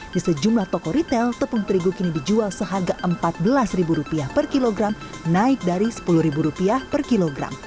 di sejumlah toko ritel tepung terigu kini dijual seharga empat belas rupiah per kilogram naik dari sepuluh rupiah per kilogram